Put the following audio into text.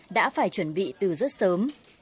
đã phải chuẩn bị từ rất sớm